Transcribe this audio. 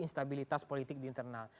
instabilitas politik di internal